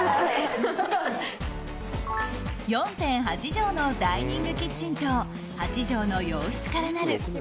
４．８畳のダイニングキッチンと８畳の洋室からなる